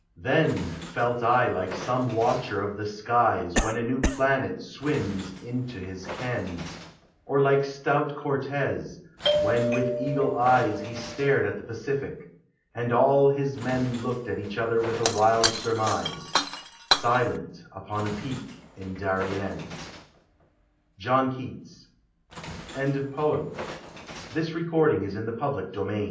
Then felt I Like some watcher of the skies When a new planet swims into his ken ; Or like stoul Cortez, when with eagle ej He stared at the Pacific— and all his men Looked at each other with b wild Burmise— Silent, upon a peak in Darien, J< >I1N 342 POEMS OF SENTIMENT. THE ODYSSEY. PREFACING THE BUTCHER LANG TR